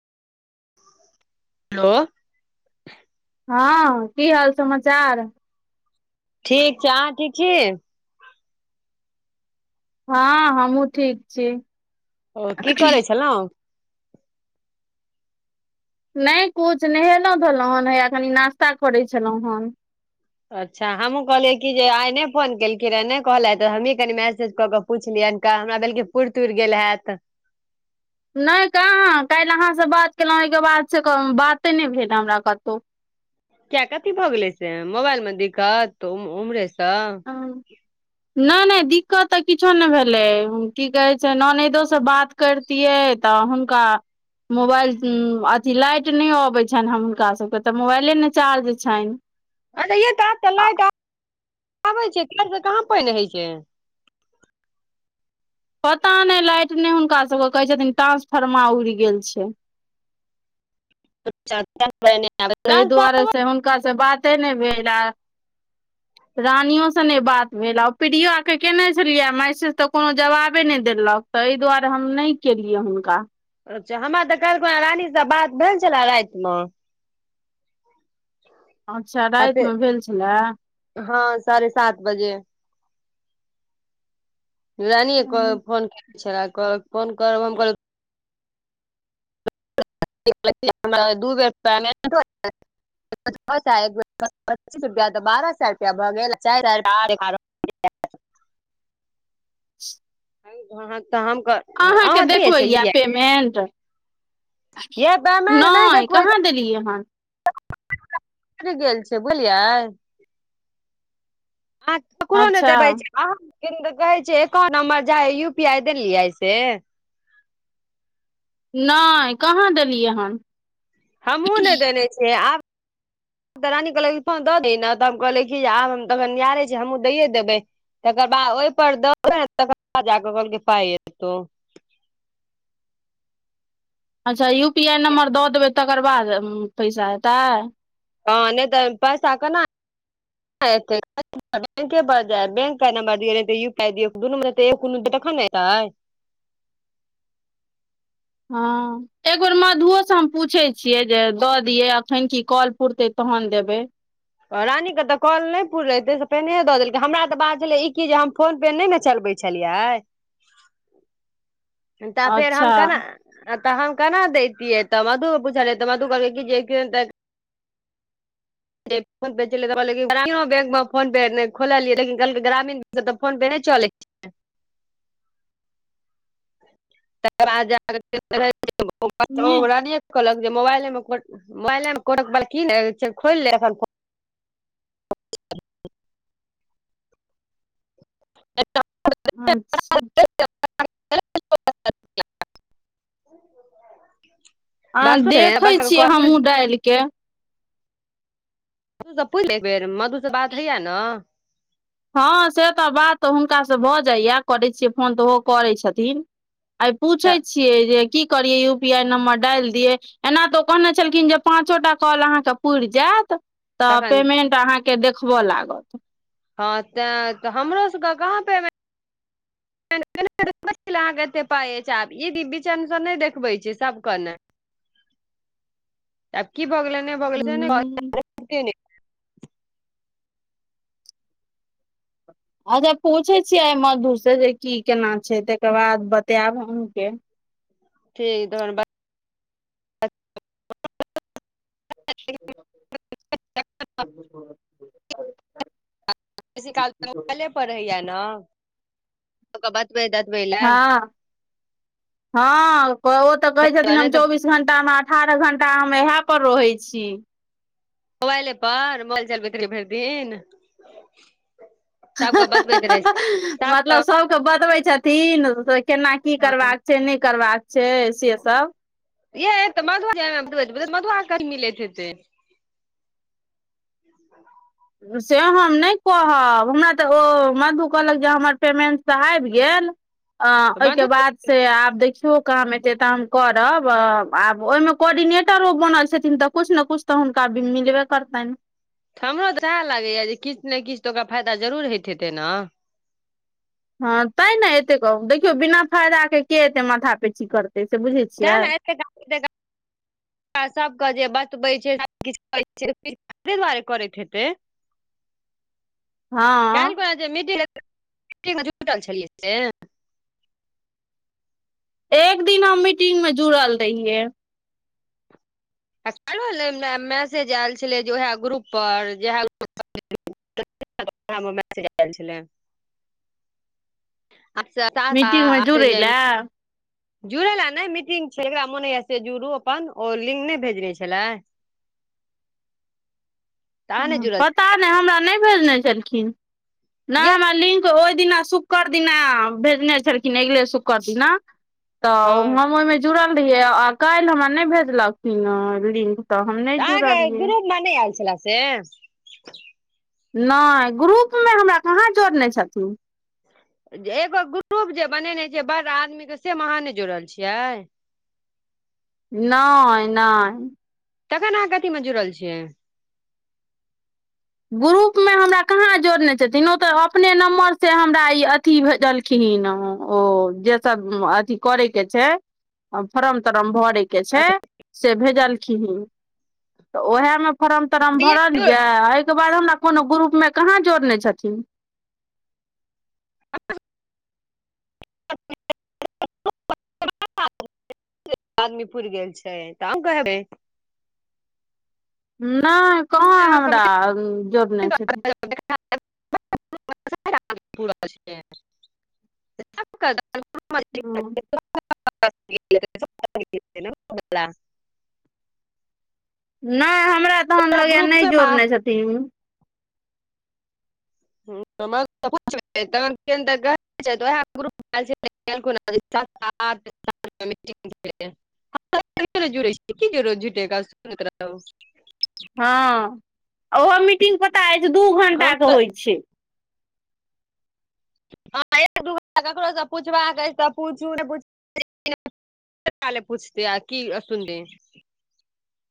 Hello हँ किी हाल समाचार ठीक छ आह ठीक छी हँ हमहुँ ठीक छी ओ की करै छलो नहि कुछु नहेलहु धोलहुँ हेन हैया कनि नास्ता करै छलहुँ हन अच्छा हमहहुँ कहलियै कि जे आइ नहि फोन केलखिन रहे नहि कहले तऽ हमहीँ कनि मैसेज कऽ क पुछलिया हमरा देलकिन पुरि तुरि गेल हैत नहि कहाँ काल्हि अहाँसँ बात केलहुँ ओहिके बाद से बाते नहि भेल हमरा कतो किया कथी भऽ गेलै से मोबाइल मे दिखत उमहरे सँ ह नहि नहि दिक्कत तऽ किछो नहि भेलै की कहे छै ननैदो से बात करतियै तऽ हुनका मोबाइल अथी लाइट नहि अबैत छनि हुनका सभके तऽ मोबाइले ने चार्ज छनि अच्छा काज तऽ लाग आब छै काज त कहाँ पानि होइत छै पता नहि लाइट नहि हुनकास सभके कहैत छथिन ट्रान्सफर्मा उड़ि गेल छै ताहि दुआरे [unintelligible] से हुनका से बाते नहि भेल रानियो ब मेला पीडियो आ के केने छलियए मैसेज तऽ कोनो जवाबे ने देलक त एहि दुआरे हम नहि के लिय हुनका अच्छा हमरा तऽ कहलकखुना रानीसँ बात भेल छले राति मे अच्छा आ राति फेर मे भेल छलए हँ साढ़े सात बजे रानीे फोन क छल फोन करब हम कहल हमरा दू बेर प [unintelligible] चीस रप बारहएु भ [unintelligible] ह तऽ हम अहाँकेँ अहाँ दै देखबै छै यए पेमेन्ट य पेमेंट नहि देखबै कहाँ देलिय हन गेल छै बोझलियै ह ककरो नहि अच्छा देबै छै अह कहै छ एकाउंट नंबर जा यू पी आई देलियै से नहि कहाँ देलियै हन हमहुँ नहि देने छियै आब तऽ रानी कहलक फोन दऽ दे ने तऽ हम कहले कि आब हम तखन यारे छी हमहूँ दैये देबै तकर बाद ओहिपर दौ तकर बाद जाकऽ कहलक पाइ एतौ अच्छा यू पी आइ नम्बर दऽ देबै तकर बाद पैसा हेतै हँ नहि तऽ पैसा कना बैंके पर जा बैंक नं्बर दिय यू पीय दुनू मेू तखन ने एतै हँ एक बेेर मधुओसँ हम पूछैत छियै जे दऽ दियै अखन की कल पुरतै तहन देबै रानी के तऽ कॉल नहि पूुरेे से पेने दऽ देलकै हमरा तऽ बात छले ई की जे हम फोन पे नहि ने चलबे छी प छलियै तऽ फेर हम अच्छा केना तऽ हम केना दैतियै तऽ मधु के पूछलियै तऽ मधु कहै जे [inaudible] फोन ग्रामो बैंक फोनपे खोलियै लिनलक ग्रामीण बैंक सब तऽ फोन पे नहि चलै [unintelligible] कहलक नहि जे मोबाइले मे मोबाइल मे को की खोल ले [unintelligible] अच्छा [inaudible] आ वर्षो छलै, देखे वर्षा के छियै कॉल पुरि हमहहुँ डालि के त पुछि एक बेर मधु से बात हैया ने हँ से तऽ बात हुनकास से भऽ जाइया करैत छियै फोन तऽ ओहो करैत छथिन आ पूछै तऽ छियै जे की करियै यू पी आई नं्बर डालि दियै एना तऽ ओ कहने छलखिन जे पाँचो टा कल अहाँके पूुरि जायत तऽ तखन पेमेंट अहाँके देखबय लागत हँ ते तऽ हमरो सबके कहाँ पे [unintelligible] अहाँके एते पाइ आब ईी विचनसँ नहि देखबै छी सबके ने आब की बगल ने बगल हूँ अच्छा पूछे छियै मधुर से जे की केना छै तकर बाद बतायब अहूँके ठीक धनवाद [unintelligible] बेसि काल पर रहैया ने बतबब हँ हँ ओ तऽ कहै नहि तऽ छथिनौबीस बी घंटा मे अठारह घं्टा हम इएह पर रहै छी मोबाइले पर मोबाइल चलबैत रहि भरि दिन सबके बतबैत रहे मतलब सबके बतबै छथिन से केना की करबाक छै नहि करबाक छै छै स सब ए मधु मधु आ क मिले छै से से हम नहि कहब हमरा तऽ ओ मधु कहलक जे हमर पेमेंट तऽ आबि गेल अ ओहिके मधु बाद से आब देखियौ काम एते ताम करब आब ओहिमे कोर्डिनेटरो बनल छथिन तऽ कछु ने कछ तऽ हुनका अभी मिलबे करताै ने ऽ हमरो तऽ इएह लागैएा जे किछु ने किछु तऽ ओकरा फायदा जरूर होइत हेतै ने हँ तै ने एतेक कहू देखियौ बिना फायदााके के एते माथा पेची करतै से बुझैत छियै [inaudible] सबके जे बतबै छैे दुआरे करैत हेतै [inaudible] हँ काल्हि जेट जुटल छलियै से एक दिन हम मीटिंग मे जुड़ल रहियै आ काल्हि मैसेज आयल छलै जे उएह ग्रुपपर जएह गुप मैसेज एल छलै अचछा त त मीटिंगमे आठ जुड़ै जाएमे लए जुड़ ला मीटिंग छै एकरा मोन य जुड़ू अपन ओ लिंक नहि भेज छै तऽ अहाँ ह नहि जुड़ल पता नहि हमरा नहि भेजने छलखिन नहि छलियै हमरा लिंक ओहि दिना शुक्र दिना भेजने छलखिन अगिले शुक्क्र दिना हँ तऽ हम ओहिमे जुड़ल रहियै आ काल्हि हमरा नहि भेजलखिन लिंक तऽ हम नहि जुड़लियै मने आयल छल से नहि ग्रुपमे हमरा कहाँ जोड़ने छथिन एगो ग्रुप जे बनेने छै बड़ आदमी के सेमे अहाँ नहि जोड़ल छियै नहि नहि तखन अहाँ गति मे जुड़ल छियै ग्रुपमे हमरा कहाँ जोड़ने छथिन ओ तऽ अपने नम्बरसँ हमरा ई अी भेजलखिन ओ जे सब अथी करे के छै आ फरम तरम भरयके छै अच्छा से भेजलखिन तऽ ओएहे मे फार्म तार्म कहिया भर ने जाय कोनो ग्रुप मे कहाँ जोड़ने छथिन [unintelligible] [inaudible] आदमी पूरा गेल छै तऽ कहबै। नहि कहाँ हमरा जोड़ने छथिन [unintelligible] [unintelligible] हँ [unintelligible] नहि, हमरा तऽ ओहन लगै नहि जोड़ने छथिन। [unintelligible] आहा [unintelligible] [unintelligible] जोड़ै जऽ झुटे सु। [unintelligible] हँ, ओहो मीटिंगकेँ पता अछि, दू घण्टाके होइत छै। हँ, एक दू घड़ी ककरोसँ पुछबाक अछि तऽ पूछू। कत्ते कले पूछते आ, की सुन दे?